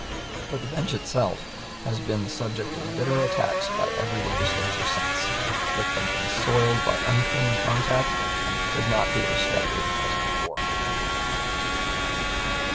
But the Bench itself has been the subject of bitter attacks by every Legislature since." It had been soiled by unclean contact and could not be respected as before.